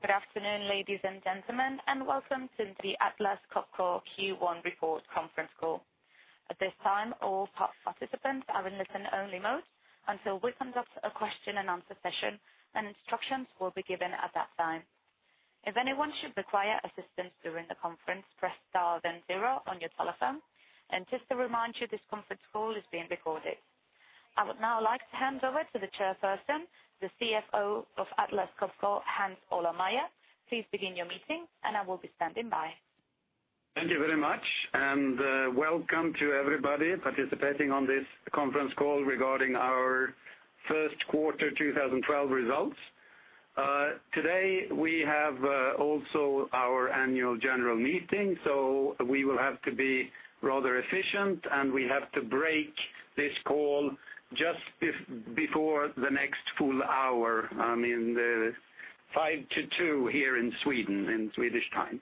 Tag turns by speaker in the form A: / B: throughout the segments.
A: Good afternoon, ladies and gentlemen, and welcome to the Atlas Copco Q1 report conference call. At this time, all participants are in listen only mode until we conduct a question and answer session, and instructions will be given at that time. If anyone should require assistance during the conference, press star 0 on your telephone. Just to remind you, this conference call is being recorded. I would now like to hand over to the chairperson, the CFO of Atlas Copco, Hans Ola Meyer. Please begin your meeting and I will be standing by.
B: Thank you very much, and welcome to everybody participating on this conference call regarding our first quarter 2012 results. Today, we have also our Annual General Meeting, so we will have to be rather efficient, and we have to break this call just before the next full hour, in 1:55 here in Sweden, in Swedish time.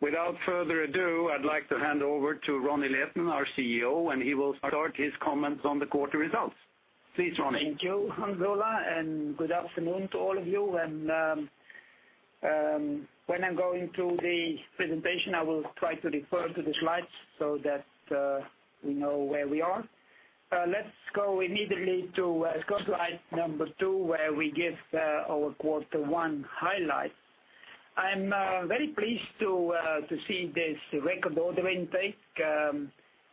B: Without further ado, I'd like to hand over to Ronnie Leten, our CEO, and he will start his comments on the quarter results. Please, Ronnie.
C: Thank you, Hans Ola, and good afternoon to all of you. When I'm going through the presentation, I will try to refer to the slides so that we know where we are. Let's go immediately to slide 2, where we give our Q1 highlight. I'm very pleased to see this record order intake.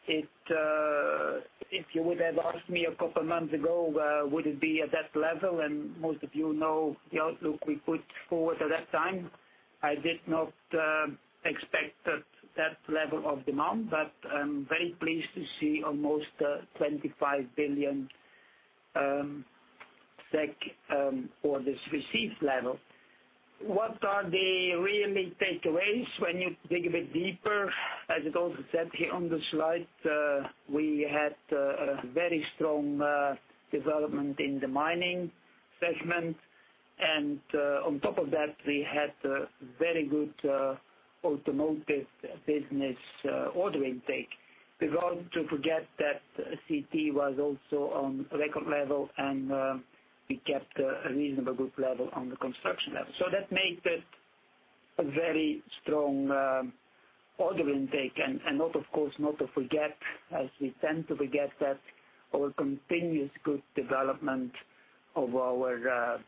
C: If you would have asked me a couple of months ago, would it be at that level? Most of you know the outlook we put forward at that time. I did not expect that level of demand, but I'm very pleased to see almost 25 billion SEK for this received level. What are the really takeaways when you dig a bit deeper? As it also said here on the slide, we had a very strong development in the Mining segment, and on top of that, we had very good automotive business order intake. We ought to forget that CT was also on record level, and we kept a reasonably good level on the Construction level. That made it a very strong order intake. Of course, not to forget, as we tend to forget that our continuous good development of our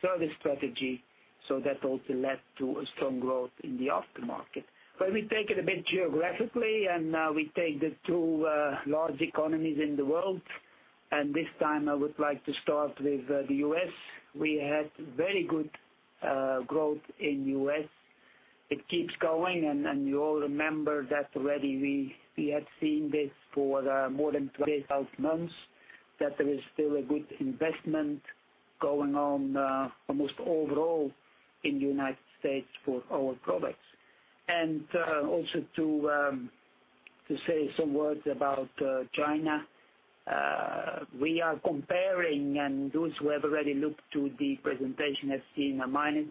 C: service strategy, so that also led to a strong growth in the aftermarket. When we take it a bit geographically and we take the two large economies in the world, and this time I would like to start with the U.S. We had very good growth in U.S. It keeps going, and you all remember that already we had seen this for more than 12 months, that there is still a good investment going on almost overall in the United States for our products. Also to say some words about China. Those who have already looked to the presentation have seen mining,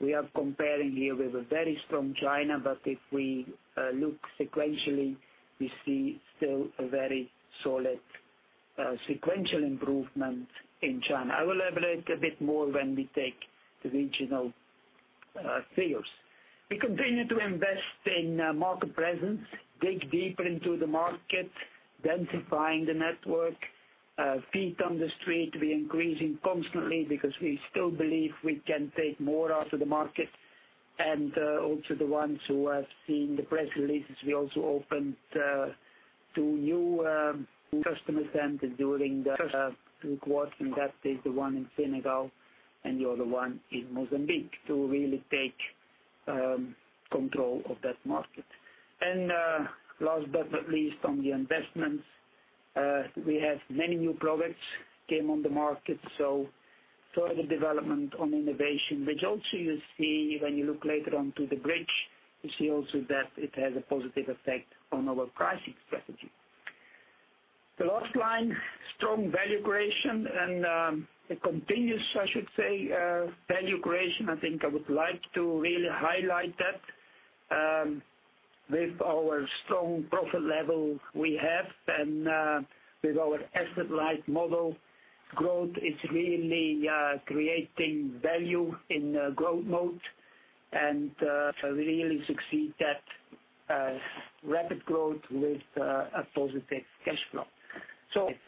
C: we are comparing here with a very strong China. If we look sequentially, we see still a very solid sequential improvement in China. I will elaborate a bit more when we take the regional figures. We continue to invest in market presence, dig deeper into the market, densifying the network. Feet on the street, we are increasing constantly because we still believe we can take more out of the market. Also the ones who have seen the press releases, we also opened two new customer centers during the second quarter, and that is the one in Senegal and the other one in Mozambique to really take control of that market. Last but not least, on the investments. We have many new products came on the market, further development on innovation, which also you see when you look later on to the bridge, you see also that it has a positive effect on our pricing strategy. The last line, strong value creation and a continuous, I should say, value creation. I think I would like to really highlight that. With our strong profit level we have and with our asset-light model, growth is really creating value in growth mode. To really succeed that rapid growth with a positive cash flow.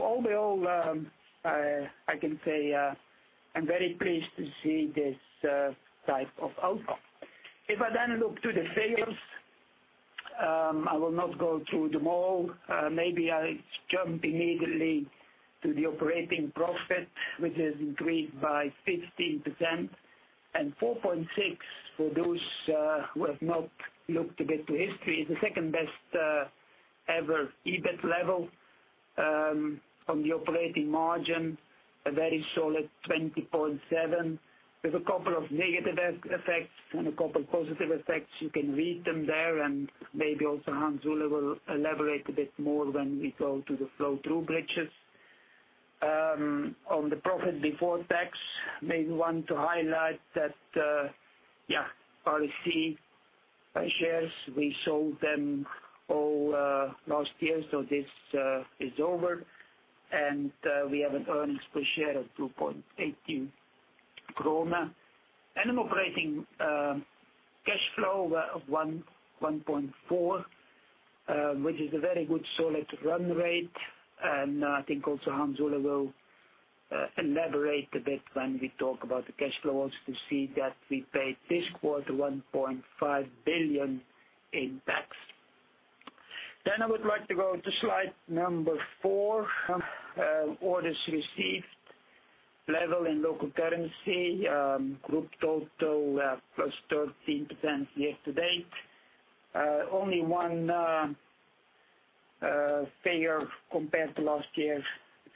C: All in all, I can say I am very pleased to see this type of outcome. I will not go through them all. Maybe I jump immediately to the operating profit, which has increased by 15% and 4.6 for those who have not looked a bit to history. The second best ever EBIT level from the operating margin, a very solid 20.7% with a couple of negative effects and a couple of positive effects. You can read them there and maybe also Hans Ola will elaborate a bit more when we go to the flow through bridges. On the profit before tax, maybe want to highlight that, you probably see Shares, we sold them all last year, so this is over. We have an earnings per share of 2.18 krona. An operating cash flow of 1.4, which is a very good solid run rate. I think also Hans Ola will elaborate a bit when we talk about the cash flows to see that we paid this quarter 1.5 billion in tax. I would like to go to slide number four. Orders received, level in local currency, group total plus 13% year-to-date. Only one failure compared to last year.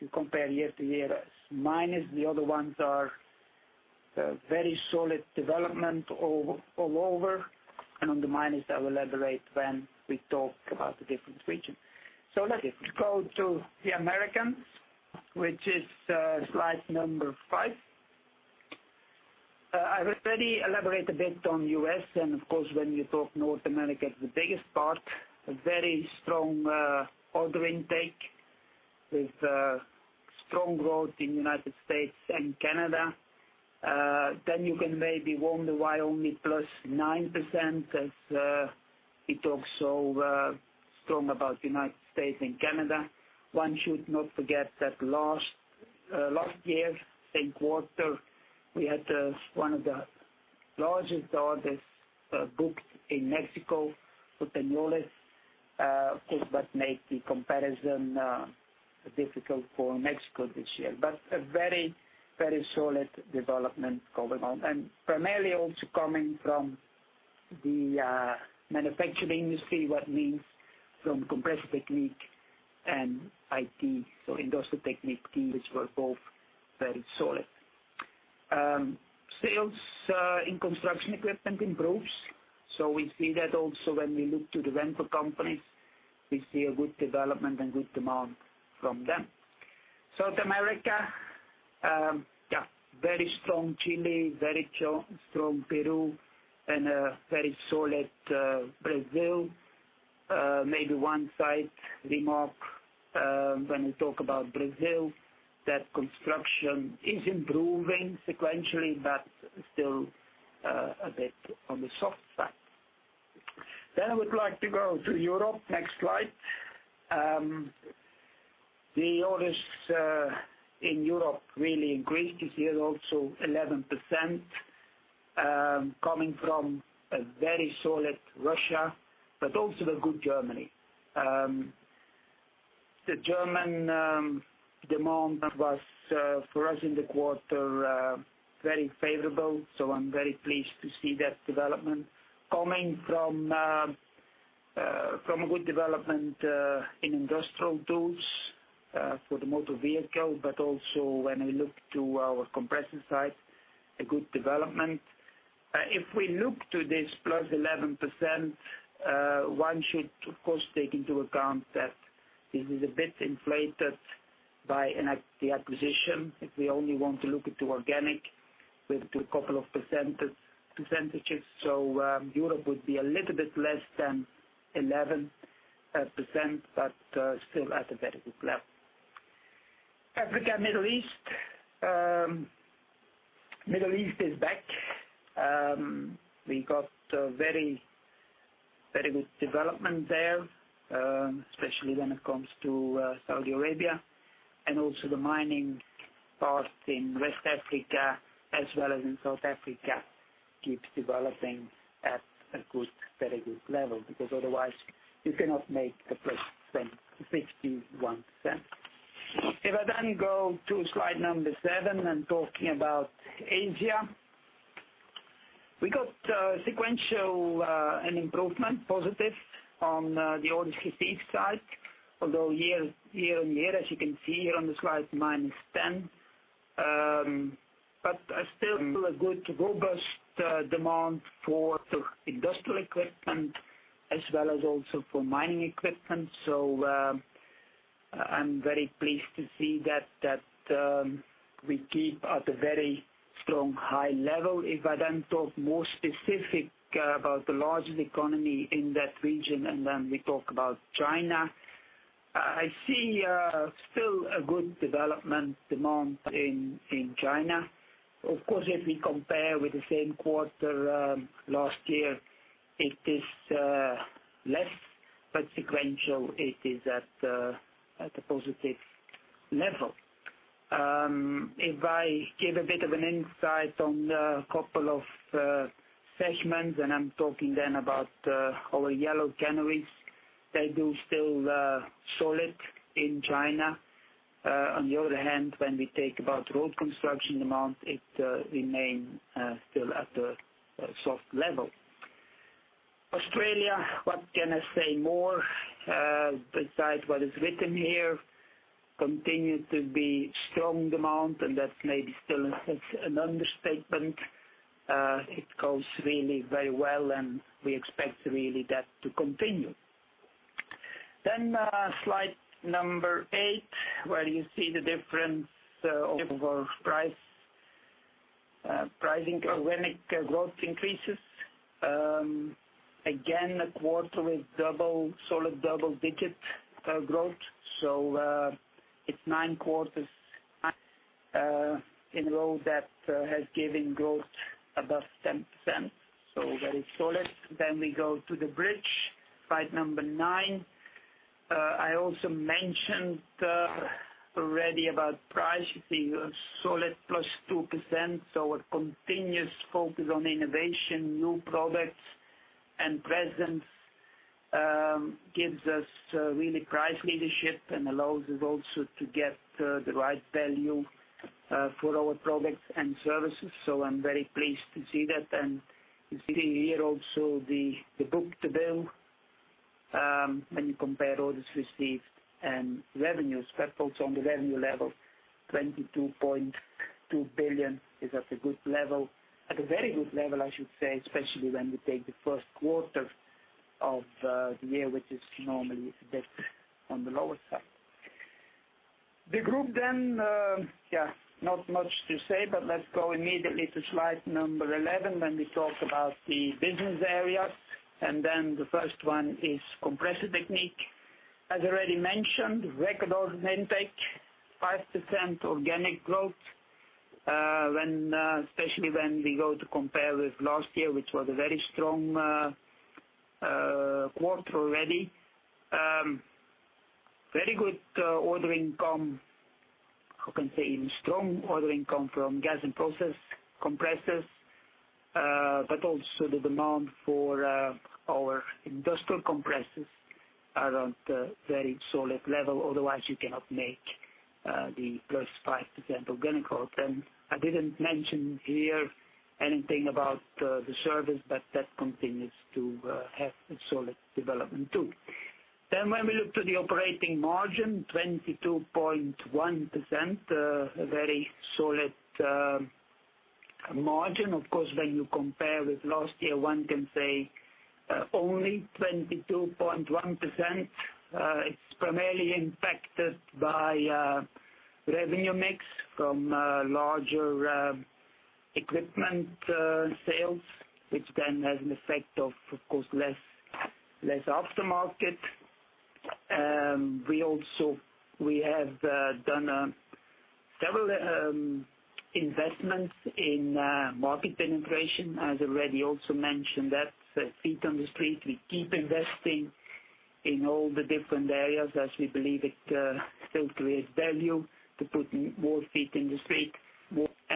C: You compare year-over-year, minus the other ones are very solid development all over, and on the minus I will elaborate when we talk about the different regions. Let us go to the Americans, which is slide number five. I already elaborate a bit on U.S. and, of course, when you talk North America, the biggest part, a very strong order intake with strong growth in United States and Canada. You can maybe wonder why only plus 9% as we talk so strong about United States and Canada. One should not forget that last year, same quarter, we had one of the largest orders booked in Mexico, for instance. Of course, that make the comparison difficult for Mexico this year. A very solid development going on. Primarily also coming from the manufacturing industry, which means from Compressor Technique and IT. Industrial Technique team, which were both very solid. Sales in construction equipment improves. We see that also when we look to the rental companies, we see a good development and good demand from them. South America. Very strong Chile, very strong Peru, a very solid Brazil. Maybe one side remark, when we talk about Brazil, that construction is improving sequentially, but still a bit on the soft side. I would like to go to Europe. Next slide. The orders in Europe really increased this year also, 11%, coming from a very solid Russia, but also the good Germany. The German demand was, for us in the quarter, very favorable. I'm very pleased to see that development coming from a good development in industrial tools for the motor vehicle, also when we look to our compressor side, a good development. We look to this +11%, one should, of course, take into account that this is a bit inflated by the acquisition. We only want to look into organic, with a couple of percentages, Europe would be a little bit less than 11%, but still at a very good level. Africa, Middle East. Middle East is back. We got very good development there, especially when it comes to Saudi Arabia and also the mining part in West Africa as well as in South Africa keeps developing at a very good level, because otherwise you cannot make a +51%. I go to slide number seven, I'm talking about Asia. We got sequential improvement, positive on the orders received side, although year-over-year, as you can see here on the slide, -10%. Still a good robust demand for industrial equipment as well as also for mining equipment. I'm very pleased to see that we keep at a very strong high level. I talk more specific about the largest economy in that region, we talk about China, I see still a good development demand in China. Of course, we compare with the same quarter last year, it is less, sequential, it is at a positive level. I give a bit of an insight on a couple of segments, I'm talking then about our yellow canopies, they do still solid in China. On the other hand, when we talk about road construction demand, it remains still at a soft level. Australia, what can I say more besides what is written here? Continue to be strong demand, and that's maybe still an understatement. It goes really very well, and we expect really that to continue. Slide number eight, where you see the difference of our pricing. Organic growth increases. Again, a quarter with solid double-digit growth. It's nine quarters in a row that has given growth above 10%, very solid. We go to the bridge, slide number nine. I mentioned already about price. You see a solid +2%, a continuous focus on innovation, new products, and presence gives us really price leadership and allows us also to get the right value for our products and services. I'm very pleased to see that. You see here also the book-to-bill when you compare orders received and revenues. Also on the revenue level, 22.2 billion is at a good level. At a very good level, I should say, especially when we take the first quarter of the year, which is normally a bit on the lower side. The group, not much to say, but let's go immediately to slide 11 when we talk about the business areas. The first one is Compressor Technique. As already mentioned, record order intake, 5% organic growth, especially when we go to compare with last year, which was a very strong quarter already. I can say strong ordering come from gas and process compressors, but also the demand for our industrial compressors are at a very solid level. Otherwise, you cannot make the +5% organic growth. I didn't mention here anything about the service, but that continues to have a solid development, too. When we look to the operating margin, 22.1%, a very solid margin. Of course, when you compare with last year, one can say only 22.1%. It's primarily impacted by revenue mix from larger equipment sales, which then has an effect of course, less aftermarket. We have done several investments in market penetration, as already also mentioned, that feet on the street. We keep investing in all the different areas as we believe it still creates value to put more feet in the street.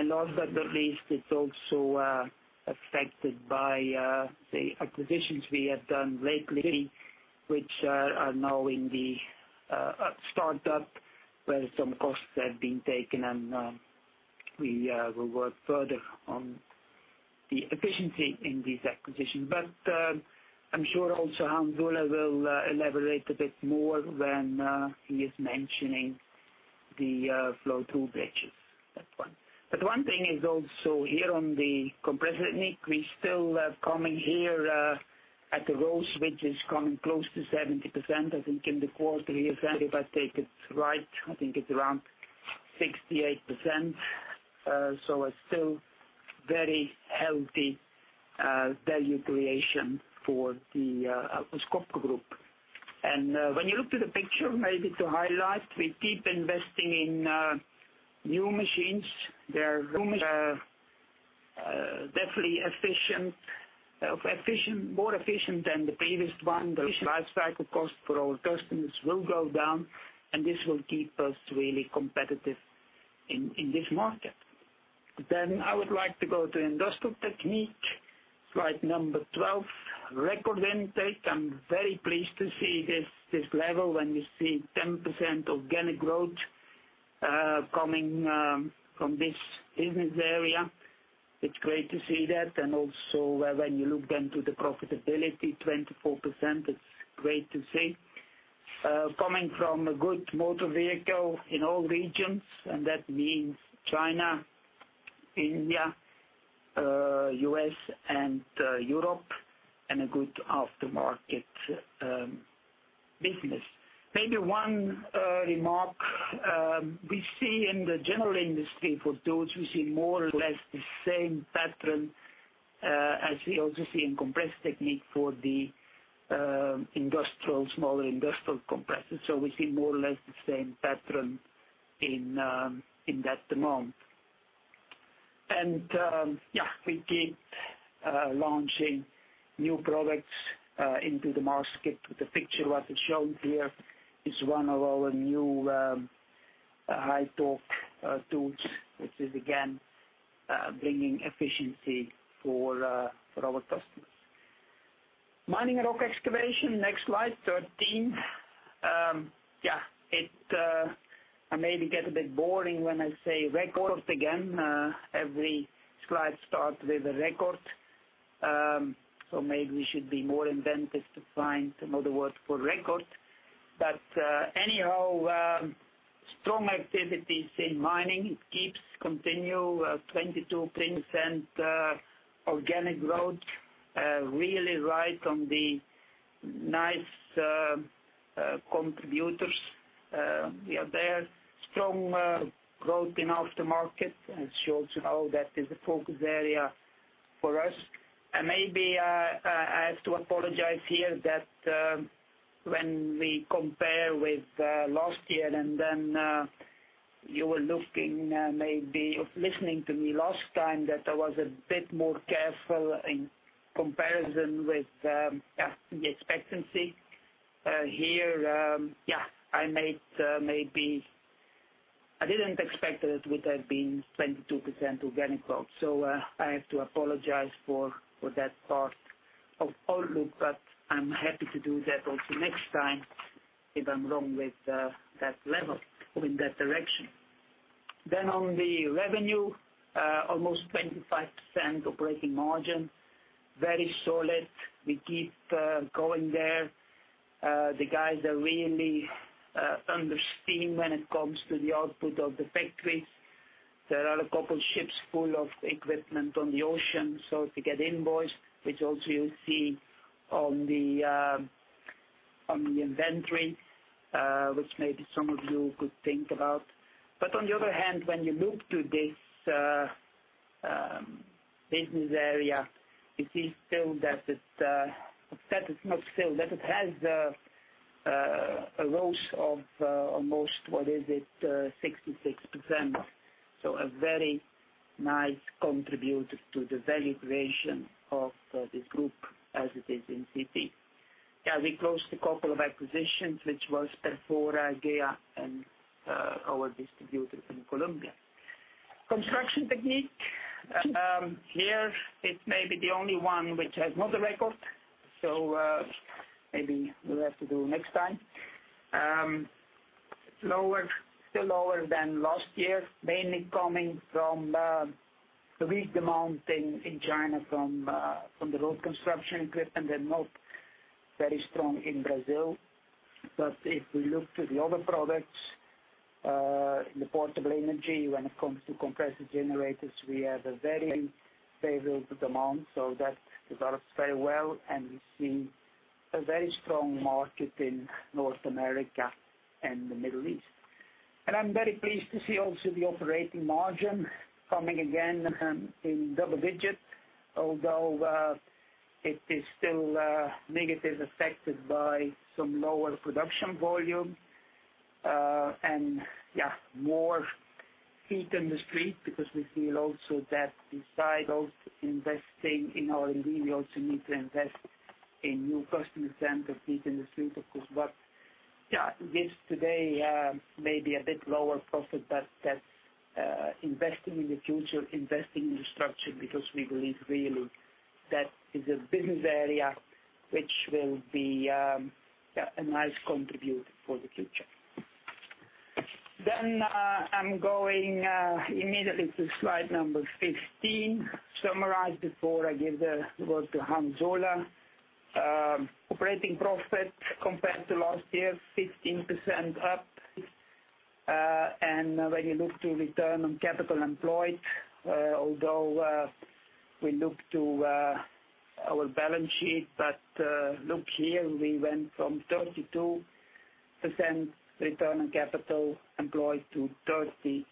C: Last but not least, it's also affected by the acquisitions we have done lately, which are now in the startup where some costs have been taken, and we will work further on the efficiency in these acquisitions. I'm sure also Hans Ola will elaborate a bit more when he is mentioning the flow-through. One thing is also here on the Compressor Technique, we still coming here at the ROCE, which is coming close to 70%. I think in the quarter here, if I take it right, I think it's around 68%. It's still very healthy value creation for the Atlas Copco Group. When you look to the picture, maybe to highlight, we keep investing in new machines. They're definitely more efficient than the previous one. The life cycle cost for our customers will go down, and this will keep us really competitive in this market. I would like to go to Industrial Technique, slide 12. Record intake. I'm very pleased to see this level when we see 10% organic growth coming from this business area. It's great to see that. Also, when you look then to the profitability, 24%, it's great to see. Coming from a good motor vehicle in all regions, and that means China, India, U.S., and Europe, and a good aftermarket business. Maybe one remark. We see in the general industry for those, we see more or less the same pattern as we also see in Compressor Technique for the smaller industrial compressors. We see more or less the same pattern in that demand. We keep launching new products into the market. The picture what is shown here is one of our new high torque tools, which is again bringing efficiency for our customers. Mining and Rock Excavation, next slide, 13. I maybe get a bit boring when I say records again. Every slide starts with a record, maybe we should be more inventive to find some other word for record. Anyhow, strong activities in mining keep continuing, 22% organic growth. Really riding on the nice contributors. We are there. Strong growth in aftermarket. It shows you how that is a focus area for us. Maybe I have to apologize here that when we compare with last year, and then you were looking maybe or listening to me last time, that I was a bit more careful in comparison with the expectancy. Here, I didn't expect that it would have been 22% organic growth. I have to apologize for that part of outlook, but I'm happy to do that also next time if I'm wrong with that level or in that direction. On the revenue, almost 25% operating margin. Very solid. We keep going there. The guys are really under steam when it comes to the output of the factories. There are a couple ships full of equipment on the ocean, to get invoiced, which also you see on the inventory, which maybe some of you could think about. On the other hand, when you look to this business area, you see still that it has a growth of almost, what is it, 66%. A very nice contributor to the value creation of this group as it is in CP. We closed a couple of acquisitions, which was Perfora, GEA, and our distributor in Colombia. Construction Technique. Here it may be the only one which has not a record, maybe we'll have to do next time. Still lower than last year, mainly coming from the weak demand in China from the road construction equipment and not very strong in Brazil. If we look to the other products, the Portable Energy, when it comes to compressor generators, we have a very favorable demand. That develops very well, and we see a very strong market in North America and the Middle East. I'm very pleased to see also the operating margin coming again in double-digit, although it is still negatively affected by some lower production volume. More feet in the street, because we feel also that besides also investing in R&D, we also need to invest in new customer centers, feet in the street, of course. Yes, today, maybe a bit lower profit, but that's investing in the future, investing in the structure, because we believe really that is a business area which will be a nice contributor for the future. I'm going immediately to slide number 15. Summarize before I give the word to Hans Olav. Operating profit compared to last year, 15% up. When you look to return on capital employed, although we look to our balance sheet, look here, we went from 32% return on capital employed to 37%,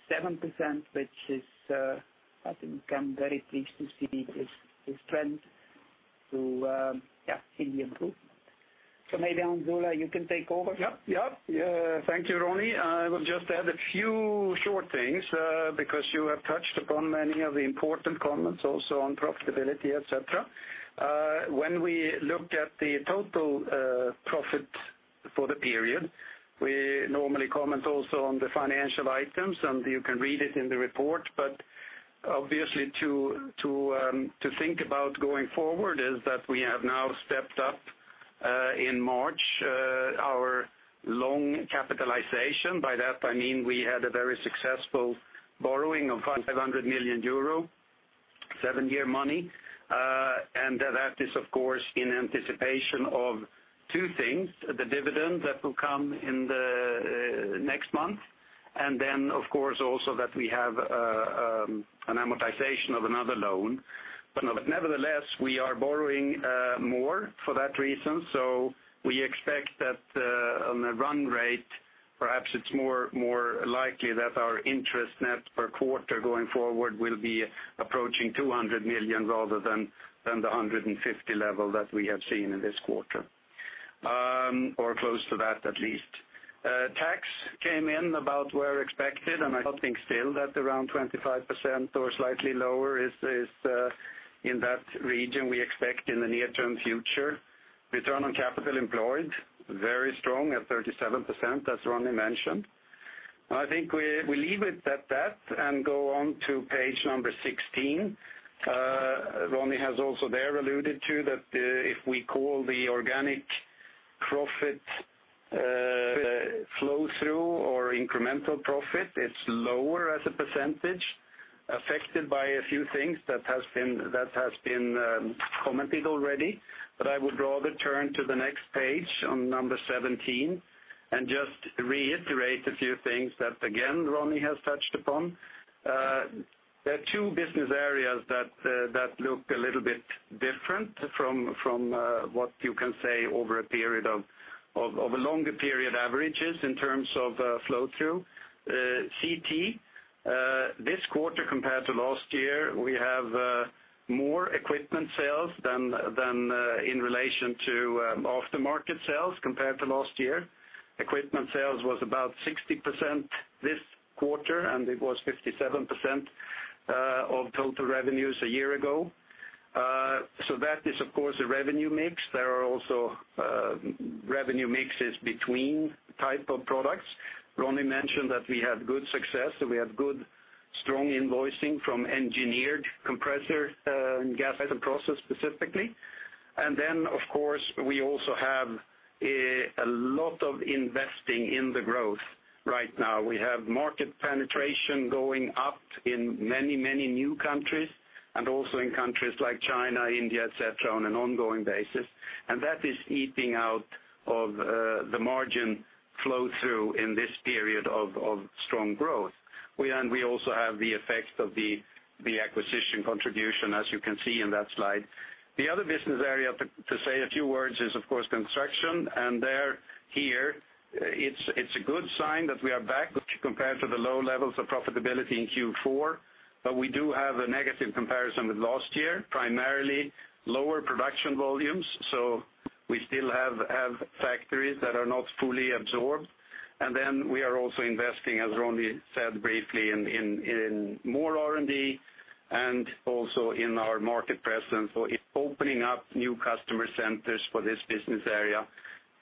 C: which is, I think I'm very pleased to see this trend to see the improvement. Maybe Hans Olav, you can take over.
B: Yep. Yep. Thank you, Ronnie. I will just add a few short things, because you have touched upon many of the important comments also on profitability, et cetera. When we look at the total profit for the period, we normally comment also on the financial items, and you can read it in the report, but obviously to think about going forward is that we have now stepped up, in March, our loan capitalization. By that I mean we had a very successful borrowing of 500 million euro, seven-year money. That is, of course, in anticipation of two things, the dividend that will come in the next month, then, of course, also that we have an amortization of another loan. Nevertheless, we are borrowing more for that reason. We expect that on a run rate, perhaps it's more likely that our interest net per quarter going forward will be approaching 200 million rather than the 150 level that we have seen in this quarter, or close to that at least. Tax came in about where expected, and I think still that around 25% or slightly lower is in that region we expect in the near-term future. Return on capital employed, very strong at 37%, as Ronnie mentioned. I think we leave it at that and go on to page number 16. Ronnie has also there alluded to that if we call the organic profit flow-through or incremental profit, it's lower as a percentage Affected by a few things that have been commented already, I would rather turn to the next page on number 17 and just reiterate a few things that, again, Ronnie has touched upon. There are two business areas that look a little bit different from what you can say over a longer period averages in terms of flow-through. CT, this quarter compared to last year, we have more equipment sales than in relation to aftermarket sales compared to last year. Equipment sales was about 60% this quarter, and it was 57% of total revenues a year ago. That is, of course, a revenue mix. There are also revenue mixes between type of products. Ronnie mentioned that we have good success, that we have good, strong invoicing from engineered compressor, gas and process specifically. Then, of course, we also have a lot of investing in the growth right now. We have market penetration going up in many new countries and also in countries like China, India, et cetera, on an ongoing basis. That is eating out of the margin flow-through in this period of strong growth. We also have the effect of the acquisition contribution, as you can see in that slide. The other business area to say a few words is, of course, Construction, and they're here. It's a good sign that we are back compared to the low levels of profitability in Q4, we do have a negative comparison with last year, primarily lower production volumes, so we still have factories that are not fully absorbed. We are also investing, as Ronnie said briefly, in more R&D and also in our market presence. It's opening up new customer centers for this business area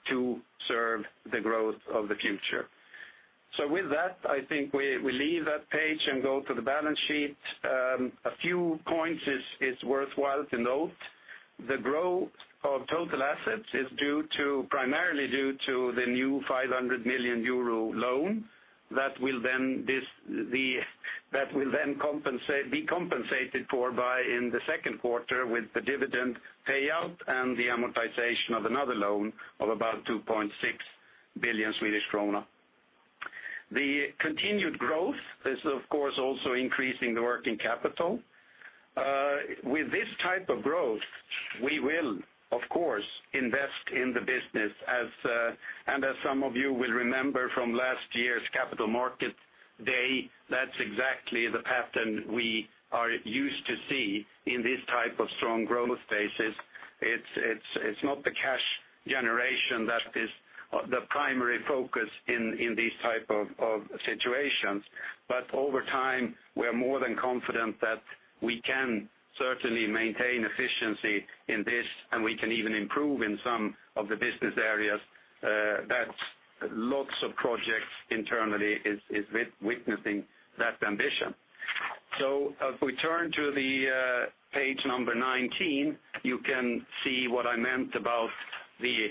B: to serve the growth of the future. With that, I think we leave that page and go to the balance sheet. A few points is worthwhile to note. The growth of total assets is primarily due to the new 500 million euro loan that will then be compensated for by in the second quarter with the dividend payout and the amortization of another loan of about 2.6 billion Swedish krona. The continued growth is, of course, also increasing the working capital. With this type of growth, we will, of course, invest in the business. As some of you will remember from last year's Capital Markets Day, that's exactly the pattern we are used to see in these type of strong growth phases. It's not the cash generation that is the primary focus in these type of situations. Over time, we are more than confident that we can certainly maintain efficiency in this, and we can even improve in some of the business areas that lots of projects internally is witnessing that ambition. If we turn to the page number 19, you can see what I meant about the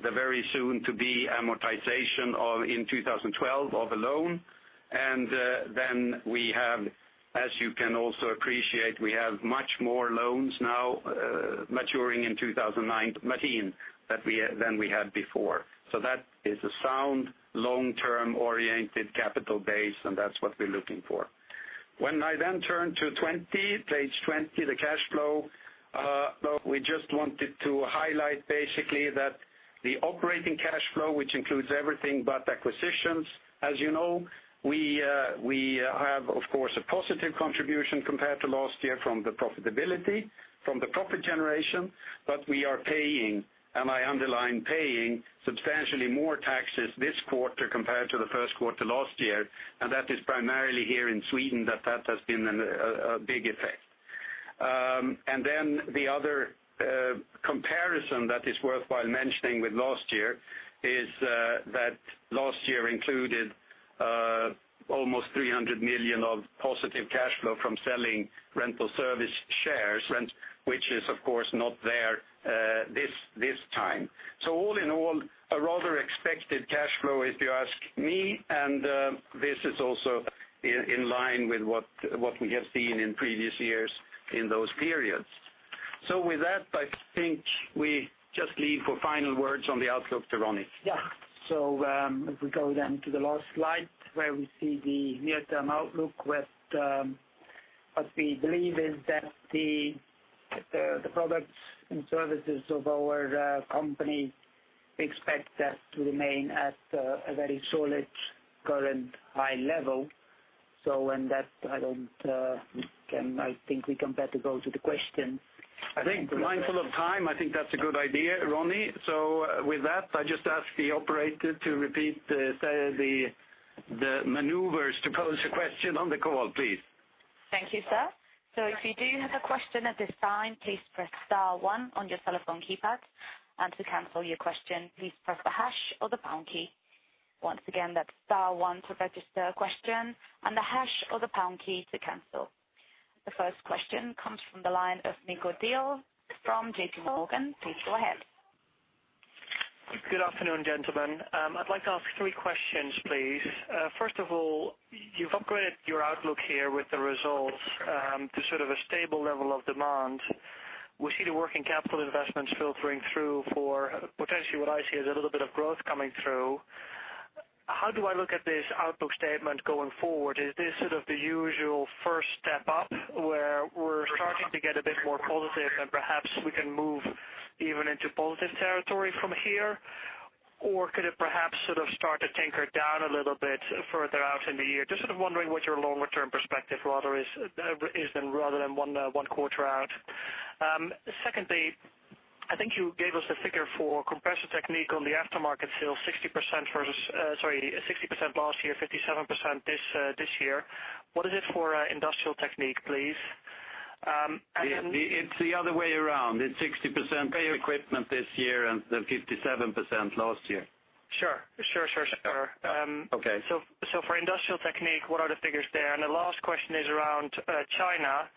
B: very soon-to-be amortization in 2012 of a loan. We have, as you can also appreciate, we have much more loans now maturing in 2019 than we had before. That is a sound, long-term oriented capital base, and that's what we're looking for. When I then turn to page 20, the cash flow, we just wanted to highlight basically that the operating cash flow, which includes everything but acquisitions. As you know, we have, of course, a positive contribution compared to last year from the profitability, from the profit generation, but we are paying, and I underline paying substantially more taxes this quarter compared to the first quarter last year. That is primarily here in Sweden that has been a big effect. The other comparison that is worthwhile mentioning with last year is that last year included almost 300 million of positive cash flow from selling Rental Service shares, which is, of course, not there this time. All in all, a rather expected cash flow, if you ask me, and this is also in line with what we have seen in previous years in those periods. With that, I think we just leave for final words on the outlook to Ronnie.
C: If we go to the last slide where we see the near-term outlook with what we believe is that the products and services of our company, we expect that to remain at a very solid, current high level. With that, I think we can better go to the question.
B: I think mindful of time, I think that's a good idea, Ronnie. With that, I just ask the operator to repeat the maneuvers to pose a question on the call, please.
A: Thank you, sir. If you do have a question at this time, please press star one on your telephone keypad. To cancel your question, please press the hash or the pound key. Once again, that's star one to register a question and the hash or the pound key to cancel. The first question comes from the line of Nico Dil from JP Morgan. Please go ahead.
D: Good afternoon, gentlemen. I'd like to ask three questions, please. First of all, you've upgraded your outlook here with the results to sort of a stable level of demand. We see the working capital investments filtering through for potentially what I see as a little bit of growth coming through. How do I look at this outlook statement going forward? Is this sort of the usual first step up, where we're starting to get a bit more positive and perhaps we can move even into positive territory from here? Could it perhaps sort of start to tinker down a little bit further out in the year? Just sort of wondering what your longer-term perspective rather is, rather than one quarter out. Secondly, I think you gave us the figure for Compressor Technique on the aftermarket sales, 60% last year, 57% this year. What is it for Industrial Technique, please?
C: It's the other way around. It's 60% new equipment this year, then 57% last year.
D: Sure.
C: Okay.
D: For Industrial Technique, what are the figures there? The last question is around China.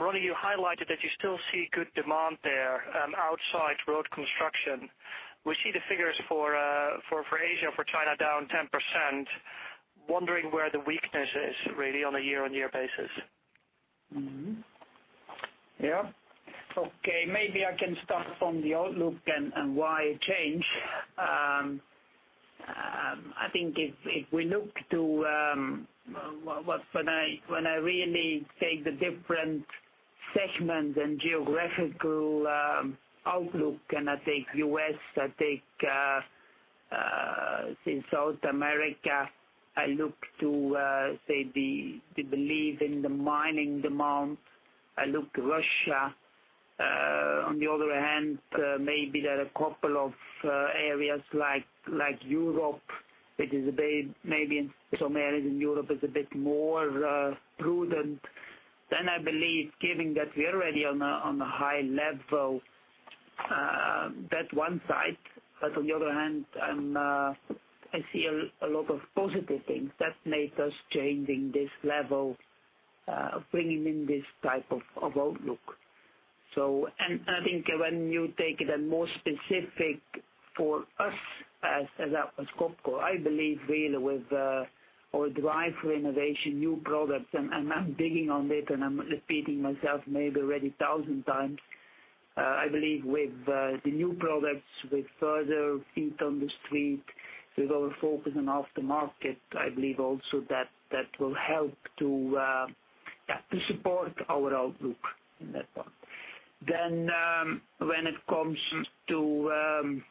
D: Ronnie, you highlighted that you still see good demand there outside road construction. We see the figures for Asia, for China, down 10%. Wondering where the weakness is really on a year-on-year basis.
C: Mm-hmm. Yeah. Okay. Maybe I can start from the outlook and why it changed. I think if we look to when I really take the different segments and geographical outlook, and I take U.S., I take South America, I look to, say, they believe in the mining demand. I look to Russia. The other hand, maybe there are a couple of areas like Europe that is a bit, maybe in some areas in Europe is a bit more prudent than I believe, given that we are already on a high level, that one side. The other hand, I see a lot of positive things that made us changing this level, bringing in this type of outlook. I think when you take it and more specific for us as Atlas Copco, I believe really with our drive for innovation, new products, and I'm digging on it and I'm repeating myself maybe already a thousand times. I believe with the new products, with further feet on the street, with our focus on aftermarket, I believe also that will help to support our outlook in that part. When it comes to--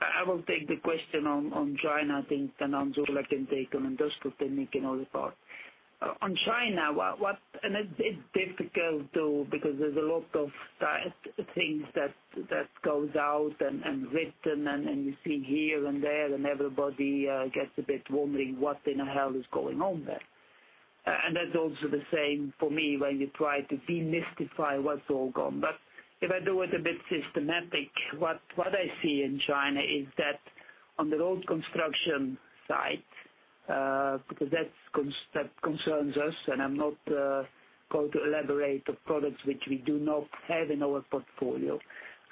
C: I will take the question on China, I think, Hans Ola can take on Industrial Technique and other part. On China, it's difficult, too, because there's a lot of things that goes out and written and you see here and there, everybody gets a bit wondering what in the hell is going on there. That's also the same for me when you try to demystify what's all gone. If I do it a bit systematic, what I see in China is that on the road construction side, because that concerns us, and I'm not going to elaborate the products which we do not have in our portfolio.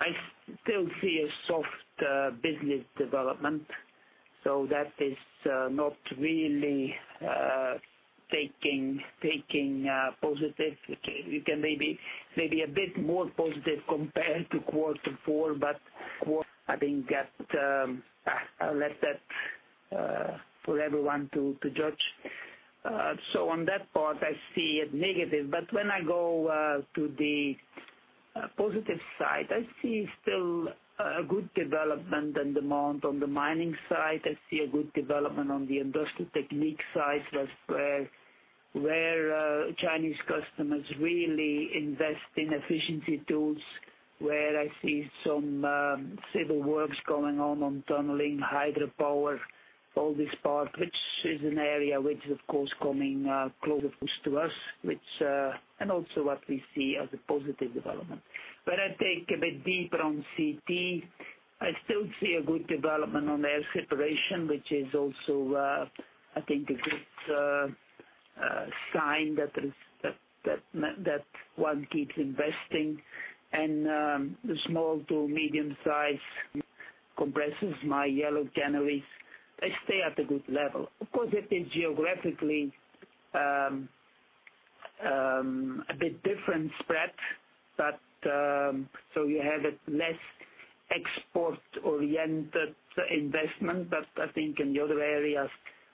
C: I still see a soft business development. That is not really taking positive. You can maybe a bit more positive compared to quarter four, but I think that I'll let that for everyone to judge. On that part, I see it negative, but when I go to the positive side, I see still a good development and demand on the mining side. I see a good development on the Industrial Technique side where Chinese customers really invest in efficiency tools, where I see some civil works going on tunneling, hydropower, all this part, which is an area which is, of course, coming closer, of course, to us, and also what we see as a positive development. I take a bit deeper on CT. I still see a good development on air separation, which is also, I think, a good sign that one keeps investing and the small to medium size compressors my yellow canopies. They stay at a good level. Of course, it is geographically a bit different spread, so you have a less export-oriented investment. I think in the other areas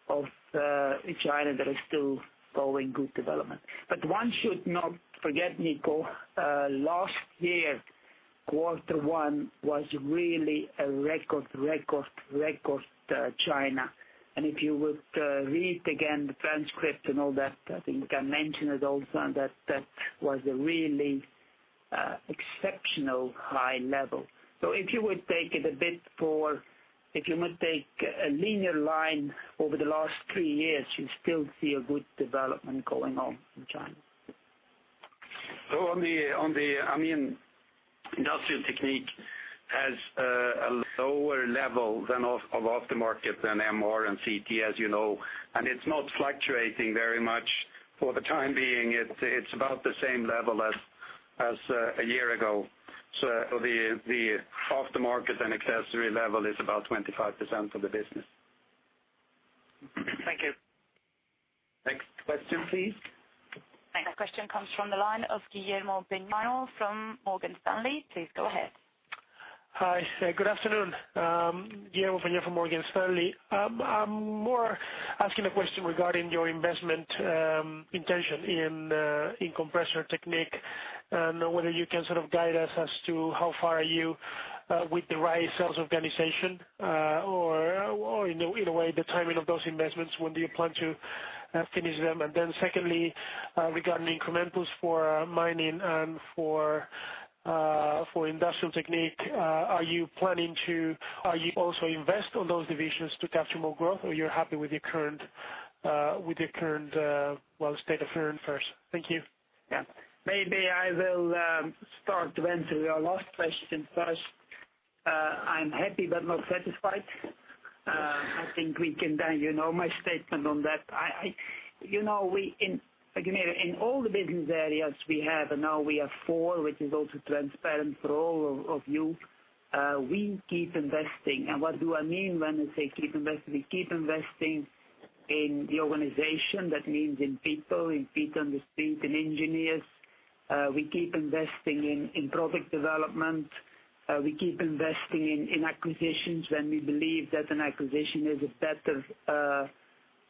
C: of China, there is still going good development. One should not forget, Nico, last year, quarter one was really a record China. If you would read again the transcript and all that, I think I mentioned it also that was a really exceptional high level. If you would take a linear line over the last three years, you still see a good development going on in China.
B: On the Industrial Technique has a lower level of aftermarket than MR and CT, as you know, and it's not fluctuating very much. For the time being, it's about the same level as
C: As a year ago. The after-market and accessory level is about 25% of the business.
D: Thank you.
C: Next question, please.
A: Thanks. The question comes from the line of Guillermo Peigneux from Morgan Stanley. Please go ahead.
E: Hi. Good afternoon. Guillermo Peigneux from Morgan Stanley. I'm more asking a question regarding your investment intention in Compressor Technique, and whether you can sort of guide us as to how far are you with the right sales organization, or in a way, the timing of those investments, when do you plan to finish them? Secondly, regarding incrementals for mining and for Industrial Technique, are you planning to also invest on those divisions to capture more growth or you're happy with the current state of affairs first? Thank you.
C: Yeah. Maybe I will start to answer your last question first. I'm happy but not satisfied. I think we can then, you know my statement on that. In all the business areas we have, and now we have four, which is also transparent for all of you, we keep investing. What do I mean when I say keep investing? We keep investing in the organization. That means in people, in feet on the street, in engineers. We keep investing in product development. We keep investing in acquisitions when we believe that an acquisition is a better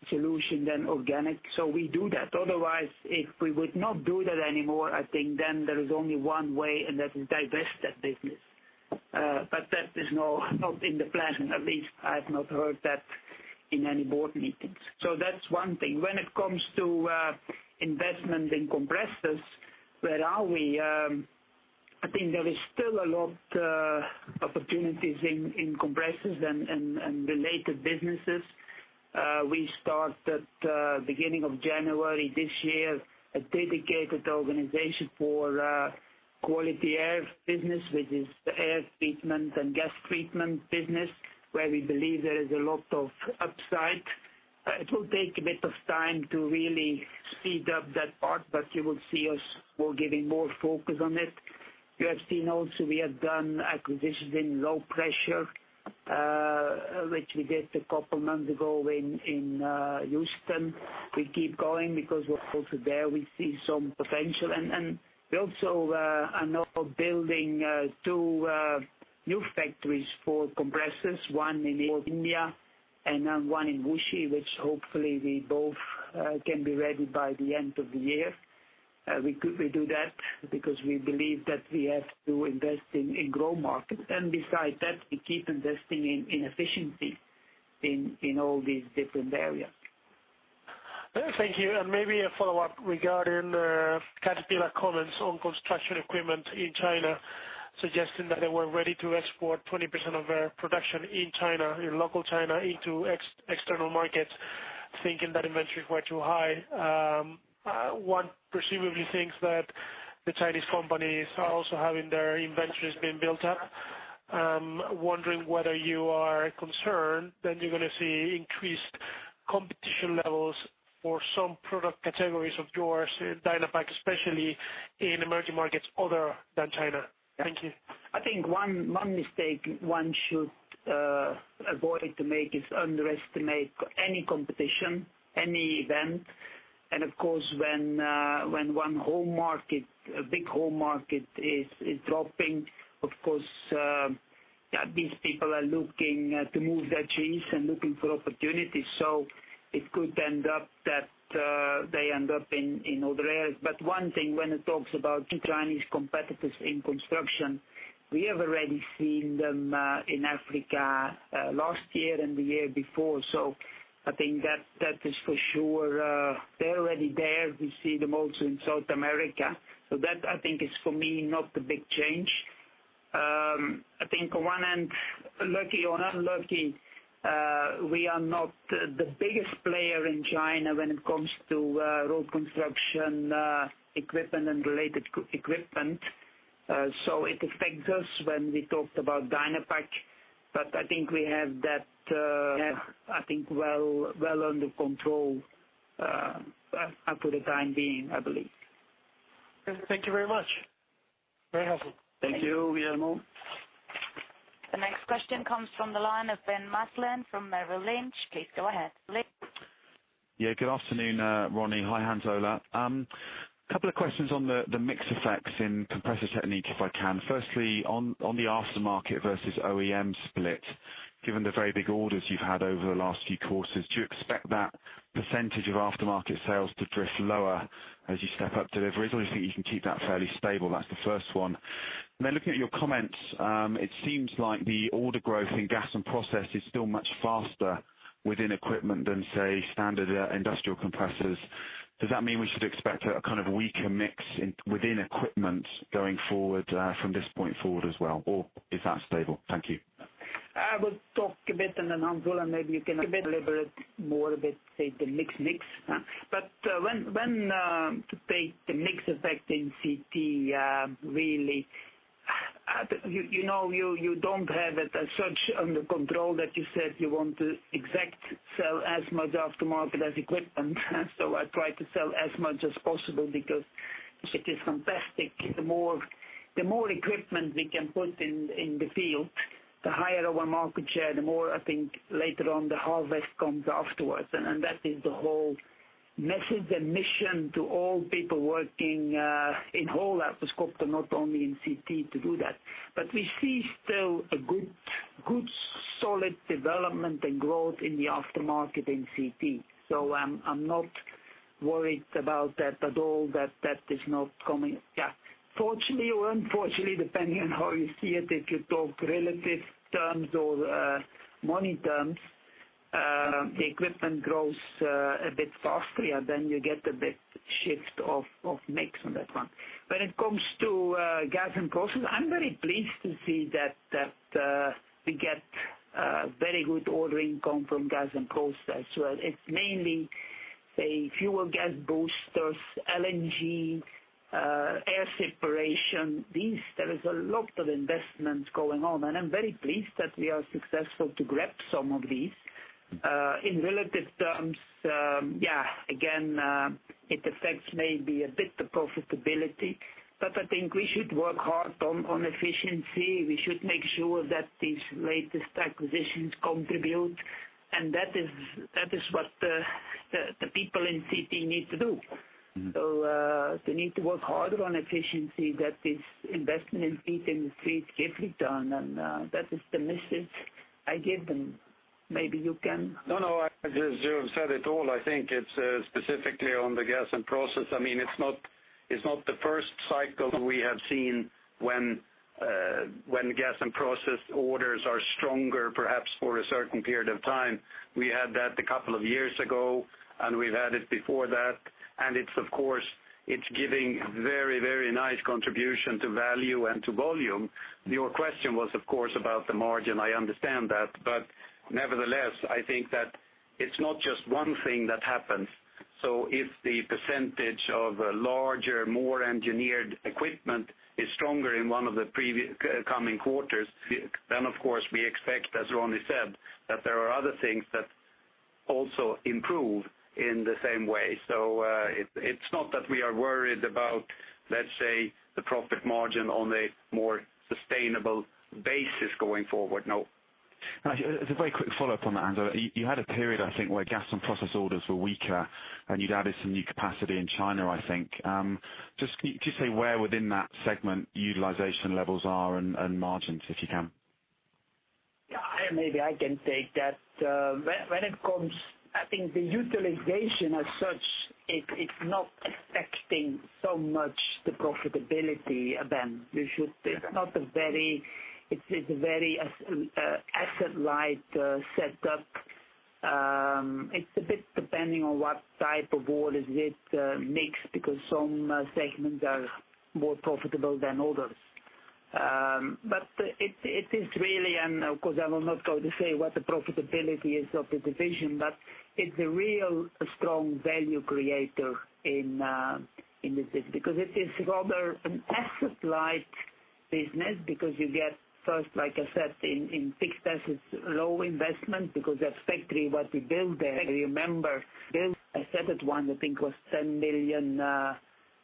C: solution than organic. We do that. Otherwise, if we would not do that anymore, I think then there is only one way, and that is divest that business. That is not in the plan, at least I have not heard that in any board meetings. That's one thing. When it comes to investment in compressors, where are we? I think there is still a lot of opportunities in compressors and related businesses. We start at beginning of January this year, a dedicated organization for quality air business, which is the air treatment and gas treatment business, where we believe there is a lot of upside. It will take a bit of time to really speed up that part, but you will see us more giving more focus on it. You have seen also we have done acquisitions in low pressure, which we did a couple months ago in Houston. We keep going because also there we see some potential. We also are now building two new factories for compressors, one in North India and one in Wuxi, which hopefully they both can be ready by the end of the year. We do that because we believe that we have to invest in growth markets. Besides that, we keep investing in efficiency in all these different areas.
E: Thank you, maybe a follow-up regarding Caterpillar comments on construction equipment in China, suggesting that they were ready to export 20% of their production in local China into external markets, thinking that inventory is way too high. One presumably thinks that the Chinese companies are also having their inventories being built up. I'm wondering whether you are concerned that you're going to see increased competition levels for some product categories of yours, Dynapac especially, in emerging markets other than China. Thank you.
C: I think one mistake one should avoid to make is underestimate any competition, any event. Of course, when one big home market is dropping, of course, these people are looking to move their chains and looking for opportunities. It could end up that they end up in other areas. One thing, when it talks about the Chinese competitors in construction, we have already seen them in Africa, last year and the year before. I think that is for sure. They're already there. We see them also in South America. That I think is for me, not a big change. I think on one end, lucky or unlucky, we are not the biggest player in China when it comes to road construction equipment and related equipment. It affects us when we talked about Dynapac, but I think we have that well under control for the time being, I believe.
E: Thank you very much. Very helpful.
C: Thank you, Guillermo.
A: The next question comes from the line of Ben Maslen from Merrill Lynch. Please go ahead.
F: Yeah, good afternoon, Ronnie. Hi, Hans Ola. Couple of questions on the mix effects in Compressor Technique, if I can. Firstly, on the aftermarket versus OEM split, given the very big orders you've had over the last few quarters, do you expect that percentage of aftermarket sales to drift lower as you step up deliveries? Do you think you can keep that fairly stable? That's the first one. Looking at your comments, it seems like the order growth in gas and process is still much faster within equipment than, say, standard industrial compressors. Does that mean we should expect a kind of weaker mix within equipment going forward, from this point forward as well? Is that stable? Thank you.
C: I will talk a bit and then Hans Ola maybe you can elaborate more a bit, the mix. When to take the mix effect in CT really. You don't have it as such under control that you said you want to exact sell as much aftermarket as equipment. I try to sell as much as possible because it is fantastic. The more equipment we can put in the field, the higher our market share, the more I think later on the harvest comes afterwards. That is the whole message and mission to all people working in whole Atlas Copco, not only in CT, to do that. We see still a good solid development and growth in the aftermarket in CT. I'm not worried about that at all, that is not coming. Fortunately or unfortunately, depending on how you see it, if you talk relative terms or money terms, the equipment grows a bit faster, you get a bit shift of mix on that one. When it comes to gas and process, I'm very pleased to see that we get very good ordering come from gas and process as well. It's mainly the fuel gas boosters, LNG, air separation. There is a lot of investments going on, I'm very pleased that we are successful to grab some of these. In relative terms, again, it affects maybe a bit the profitability, I think we should work hard on efficiency. We should make sure that these latest acquisitions contribute, that is what the people in CT need to do. They need to work harder on efficiency that this investment in feet industry is heavily done, that is the message I give them. Maybe you can-
B: No, you have said it all. I think it's specifically on the gas and process. It's not the first cycle we have seen when gas and process orders are stronger, perhaps for a certain period of time. We had that a couple of years ago, we've had it before that. It's, of course, giving very nice contribution to value and to volume. Your question was, of course, about the margin. I understand that, nevertheless, I think that it's not just one thing that happens. If the percentage of larger, more engineered equipment is stronger in one of the coming quarters, of course, we expect, as Ronnie said, that there are other things that also improve in the same way. It's not that we are worried about, let's say, the profit margin on a more sustainable basis going forward. No.
F: As a very quick follow-up on that, Anders, you had a period, I think, where gas and process orders were weaker, and you'd added some new capacity in China, I think. Just could you say where within that segment utilization levels are and margins, if you can?
C: Yeah, maybe I can take that. I think the utilization as such, it's not affecting so much the profitability event. It's a very asset-light setup. It's a bit depending on what type of orders it makes, because some segments are more profitable than others. It is really, and of course, I will not go to say what the profitability is of the division, but it's a real strong value creator in the business, because it is rather an asset-light business because you get first, like I said, in fixed assets, low investment, because that factory, what we build there, I remember build, I said it once, I think it was 10 million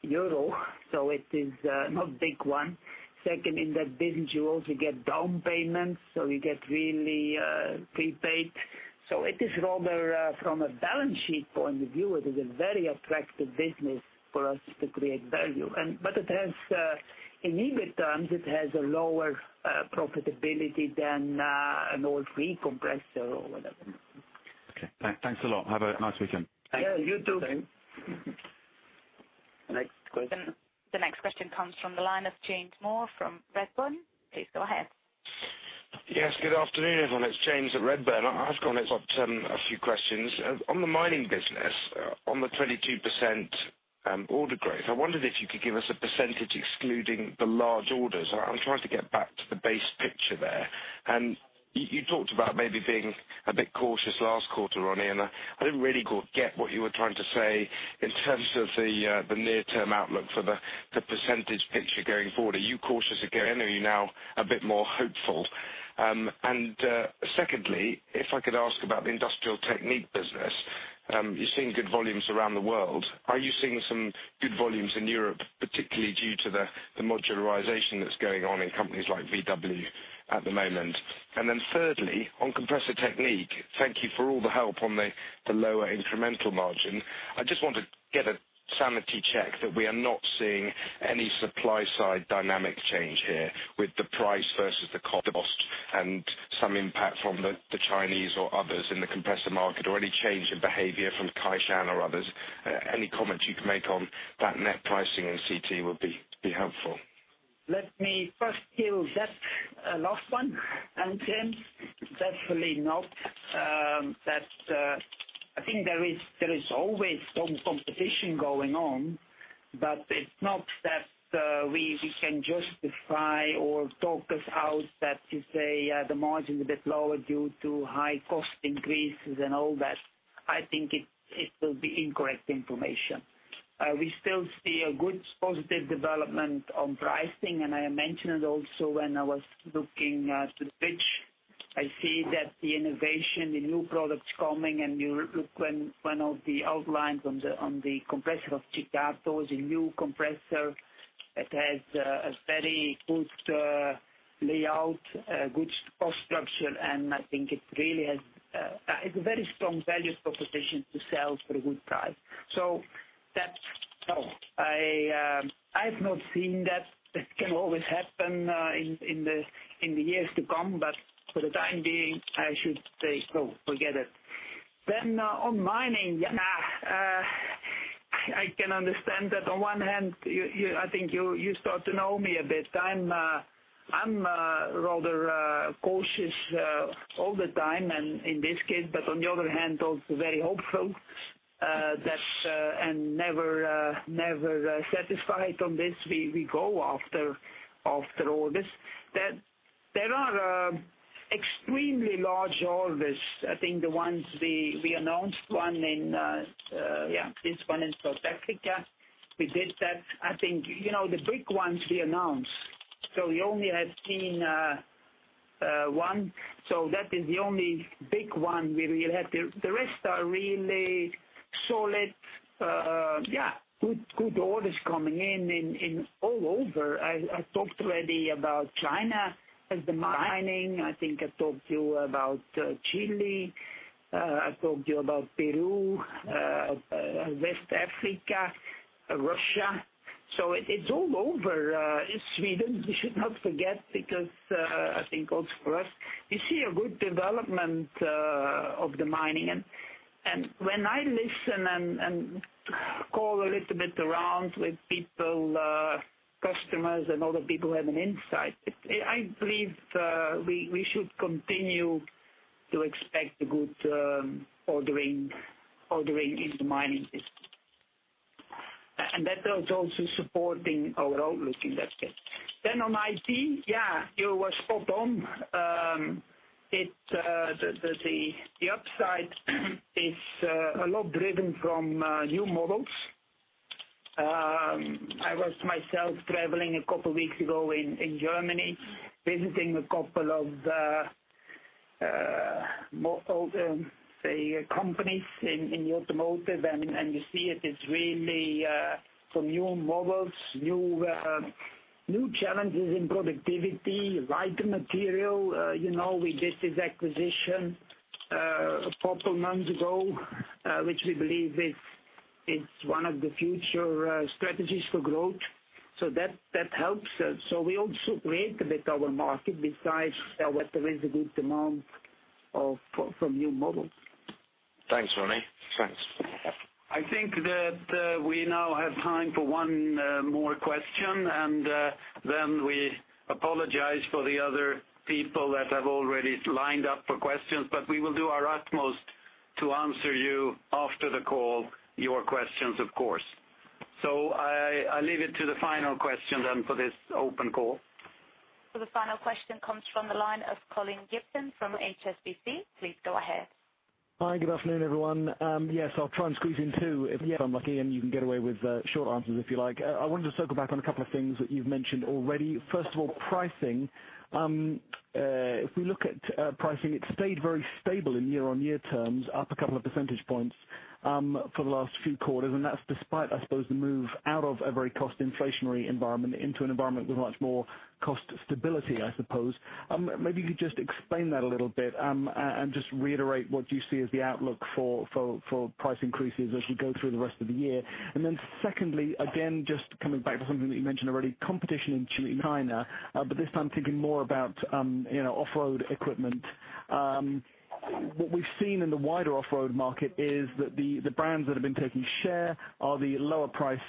C: euro, so it is not big one. Second, in that business, you also get down payments. You get really prepaid. It is rather, from a balance sheet point of view, it is a very attractive business for us to create value. In EBIT terms, it has a lower profitability than an old V compressor or whatever.
F: Okay. Thanks a lot. Have a nice weekend.
C: Yeah, you too.
B: Thanks.
C: Next question.
A: The next question comes from the line of James Moore from Redburn. Please go ahead.
G: Yes, good afternoon, everyone. It's James at Redburn. I've got a few questions. On the mining business, on the 22% order growth, I wondered if you could give us a percentage excluding the large orders. I'm trying to get back to the base picture there. You talked about maybe being a bit cautious last quarter, Ronnie, and I didn't really get what you were trying to say in terms of the near-term outlook for the percentage picture going forward. Are you cautious again, or are you now a bit more hopeful? Secondly, if I could ask about the Industrial Technique business. You're seeing good volumes around the world. Are you seeing some good volumes in Europe, particularly due to the modularization that's going on in companies like Volkswagen at the moment? Thirdly, on Compressor Technique, thank you for all the help on the lower incremental margin. I just want to get a sanity check that we are not seeing any supply side dynamic change here with the price versus the cost and some impact from the Chinese or others in the compressor market, or any change in behavior from Kaishan or others. Any comments you can make on that net pricing in CT would be helpful.
C: Let me first kill that last one. James, definitely not. I think there is always some competition going on, but it is not that we can justify or talk us out that you say the margin a bit lower due to high cost increases and all that. I think it will be incorrect information. We still see a good positive development on pricing, and I mentioned it also when I was looking at the switch. I see that the innovation, the new products coming, and you look when one of the outlines on the compressor at Chicago is a new compressor that has a very good layout, good cost structure, and I think it is a very strong value proposition to sell for a good price. That, no. I have not seen that. That can always happen in the years to come, but for the time being, I should say, no, forget it. On mining. I can understand that on one hand, I think you start to know me a bit. I am rather cautious all the time and in this case, on the other hand, also very hopeful and never satisfied on this. We go after all this. There are extremely large orders. I think the ones we announced, this one in South Africa, we did that. I think the big ones we announced, we only have seen one. That is the only big one we really had. The rest are really solid, good orders coming in all over. I talked already about China as the mining. I think I talked to you about Chile. I talked to you about Peru, West Africa, Russia. It is all over. Sweden, we should not forget, because I think also for us, we see a good development of the mining. When I listen and call a little bit around with people, customers, and other people who have an insight, I believe we should continue to expect a good ordering in the mining business. That was also supporting our outlook in that case. On IT, yeah, you were spot on. The upside is a lot driven from new models. I was myself traveling a couple weeks ago in Germany, visiting a couple of the companies in the automotive, and you see it is really from new models, new challenges in productivity, lighter material. We did this acquisition a couple months ago, which we believe is one of the future strategies for growth. That helps. We also create a bit our market besides whether there is a good demand from new models.
G: Thanks, Ronnie. Thanks.
B: I think that we now have time for one more question, and then we apologize for the other people that have already lined up for questions, but we will do our utmost to answer you after the call, your questions, of course. I leave it to the final question then for this open call.
A: The final question comes from the line of Colin Gibson from HSBC. Please go ahead.
H: Hi, good afternoon, everyone. Yes, I'll try and squeeze in two, if I'm lucky, and you can get away with short answers if you like. I wanted to circle back on a couple of things that you've mentioned already. First of all, pricing. If we look at pricing, it stayed very stable in year-on-year terms, up a couple of percentage points for the last few quarters, and that's despite, I suppose, the move out of a very cost inflationary environment into an environment with much more cost stability, I suppose. Maybe you could just explain that a little bit, and just reiterate what you see as the outlook for price increases as we go through the rest of the year. Then secondly, again, just coming back to something that you mentioned already, competition in China, but this time thinking more about off-road equipment. What we've seen in the wider off-road market is that the brands that have been taking share are the lower price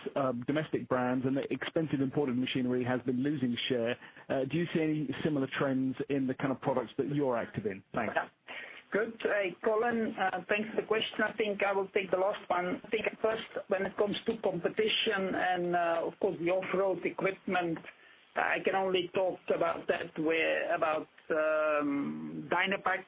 H: domestic brands, the expensive imported machinery has been losing share. Do you see any similar trends in the kind of products that you're active in? Thanks.
C: Good. Colin, thanks for the question. I think I will take the last one. I think at first, when it comes to competition, of course, the off-road equipment, I can only talk about Dynapac,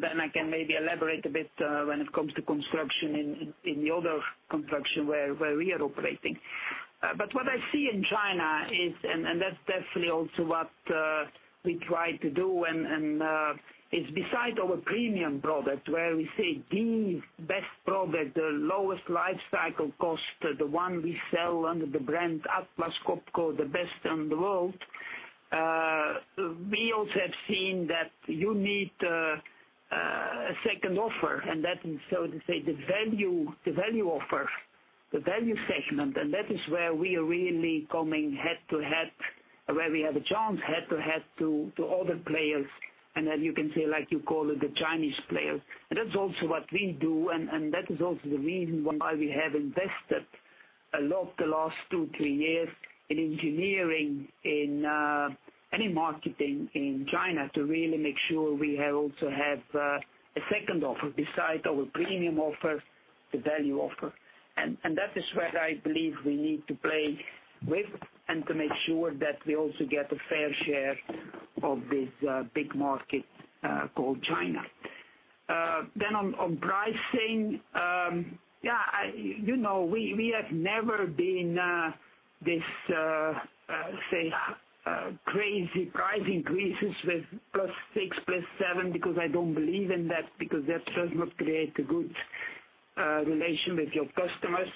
C: then I can maybe elaborate a bit when it comes to construction in the other construction where we are operating. What I see in China is, that's definitely also what we try to do, it's beside our premium product where we say the best product, the lowest life cycle cost, the one we sell under the brand Atlas Copco, the best in the world. We also have seen that you need a second offer, that is, so to say, the value offer, the value segment, that is where we are really coming head to head, where we have a chance head to head to other players, as you can say, like you call it, the Chinese players. That's also what we do, that is also the reason why we have invested a lot the last two, three years in engineering, in any marketing in China to really make sure we also have a second offer besides our premium offer, the value offer. That is where I believe we need to play with and to make sure that we also get a fair share of this big market called China. On pricing, we have never been this, say, crazy price increases with plus six, plus seven, because I don't believe in that, because that does not create a good relation with your customers.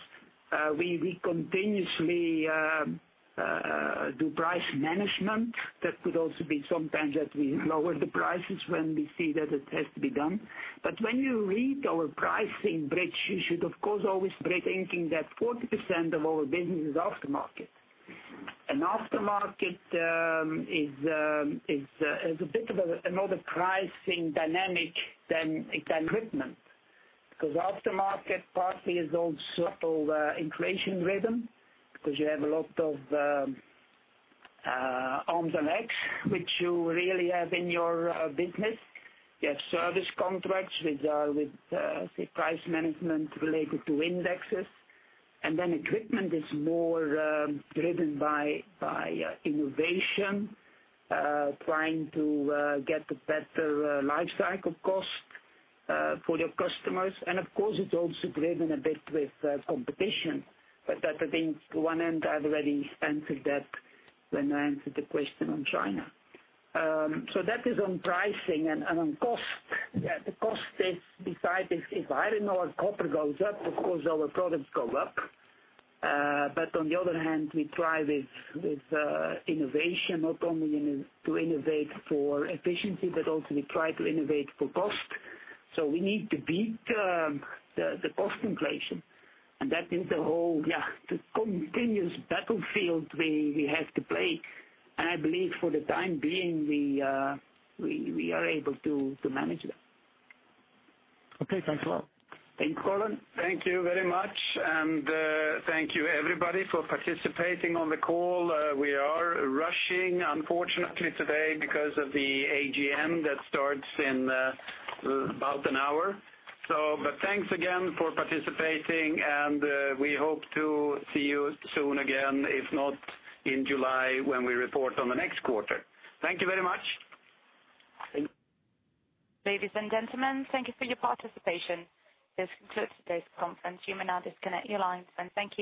C: We continuously do price management. That could also be sometimes that we lower the prices when we see that it has to be done. When you read our pricing bridge, you should, of course, always be thinking that 40% of our business is aftermarket. Aftermarket is a bit of another pricing dynamic than equipment. Because aftermarket partly is also inflation rhythm, because you have a lot of arms and legs, which you really have in your business. You have service contracts with, say, price management related to indexes. Equipment is more driven by innovation, trying to get a better life cycle cost for your customers. Of course, it's also driven a bit with competition. That, I think, to one end, I've already answered that when I answered the question on China. That is on pricing and on cost. The cost is beside this, if I don't know, copper goes up, of course our products go up. On the other hand, we try with innovation, not only to innovate for efficiency, but also we try to innovate for cost. We need to beat the cost inflation. That is the whole continuous battlefield we have to play. I believe for the time being, we are able to manage that.
H: Okay. Thanks a lot.
C: Thanks, Colin.
B: Thank you very much. Thank you everybody for participating on the call. We are rushing, unfortunately, today because of the AGM that starts in about an hour. Thanks again for participating, and we hope to see you soon again, if not in July, when we report on the next quarter. Thank you very much.
C: Thank you.
A: Ladies and gentlemen, thank you for your participation. This concludes today's conference. You may now disconnect your lines, and thank you.